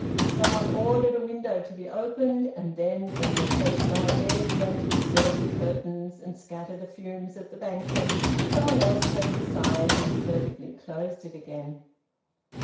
Some one ordered a window to be opened, and then, when the fresh night air began to disturb the curtains and scatter the fumes of the banquet, some one else crept aside and furtively closed it again.